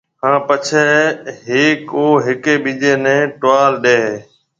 ھان پڇيَ ھيَََڪ او ھيَََڪيَ ٻيجيَ نيَ ٽوال ڏَي ھيََََ